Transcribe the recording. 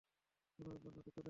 কোন ব্যাপার না, তুই চলে আয়।